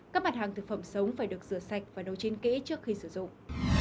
các mặt hàng thực phẩm sống phải được rửa sạch và nấu chín kỹ trước khi sử dụng